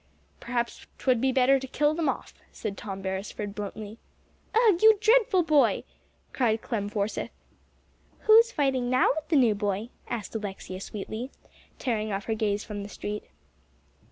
"Perhaps 'twould be better to kill 'em off," said Tom Beresford bluntly. "Ugh, you dreadful boy!" cried Clem Forsythe. "Who's fighting now with the new boy?" asked Alexia sweetly, tearing off her gaze from the street.